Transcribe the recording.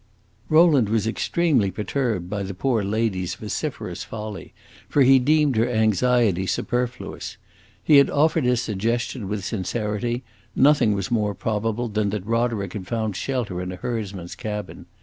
Rowland was extremely perturbed by the poor lady's vociferous folly, for he deemed her anxiety superfluous. He had offered his suggestion with sincerity; nothing was more probable than that Roderick had found shelter in a herdsman's cabin.